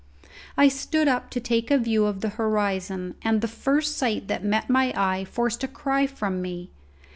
I stood up to take a view of the horizon, and the first sight that met my eye forced a cry from me.